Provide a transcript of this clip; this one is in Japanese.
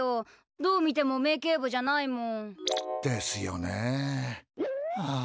どう見ても名警部じゃないもん。ですよね。はあ。